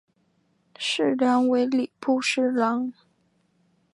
事梁为礼部侍郎。